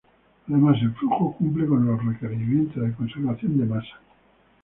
Además, el flujo cumple con los requerimientos de conservación de masa.